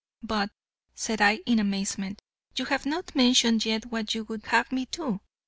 "But," said I, in amazement, "you have not mentioned yet what you would have me do."